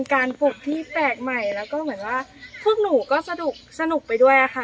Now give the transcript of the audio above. การปลุกที่แปลกใหม่แล้วก็เหมือนว่าพวกหนูก็สนุกสนุกไปด้วยค่ะ